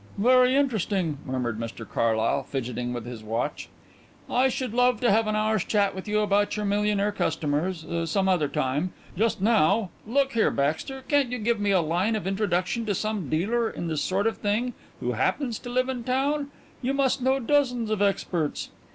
"Very interesting," murmured Mr Carlyle, fidgeting with his watch. "I should love an hour's chat with you about your millionaire customers some other time. Just now look here, Baxter, can't you give me a line of introduction to some dealer in this sort of thing who happens to live in town? You must know dozens of experts."